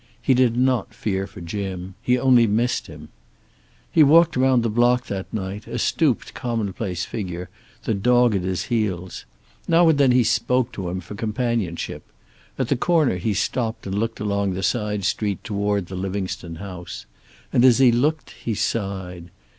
He did not fear for Jim. He only missed him. He walked around the block that night, a stooped commonplace figure, the dog at his heels. Now and then he spoke to him, for companionship. At the corner he stopped and looked along the side street toward the Livingstone house. And as he looked he sighed.